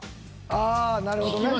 ああなるほどね。